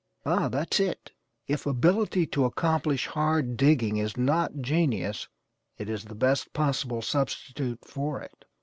Ah, that's it; if ability to accomplish hard 'digging' is not genius, it is the best possible substitute for it.